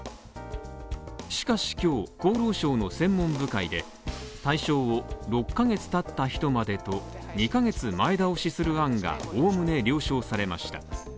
しかし今日、厚労省の専門部会で対象を６ヶ月経った人までと２ヶ月前倒しする案が、おおむね了承されました。